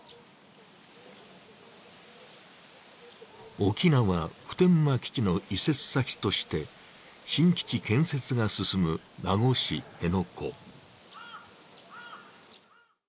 沖縄・普天間基地の移設先として新基地建設が進む名護市辺野古。